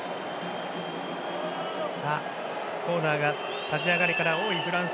コーナーが立ち上がりから多いフランス。